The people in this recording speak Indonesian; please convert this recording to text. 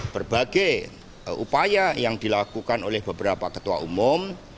berbagai upaya yang dilakukan oleh beberapa ketua umum